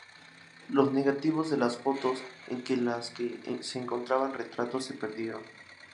Los negativos de las fotos en que las que se encontraban retratos, se perdieron.